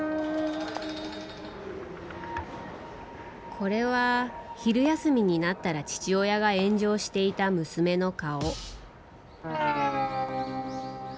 これは、昼休みになったら父親が炎上していた娘の顔。